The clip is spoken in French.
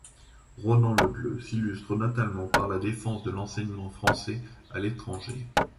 Ronan Le Gleut s'illustre notamment par la défense de l'enseignement français à l'étranger.